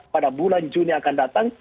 pada bulan juni akan datang